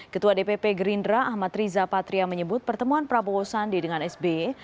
ketua dpp gerindra ahmad riza patria menyebut pertemuan prabowo sandi dengan sby